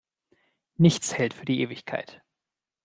Nichts hält für die Ewigkeit.